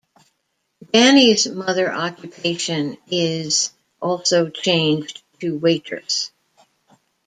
Danny's mother occupation is also changed to waitress.